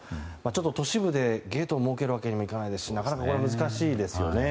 ちょっと都市部でゲートを設けるわけにもいかないですしなかなか難しいですよね。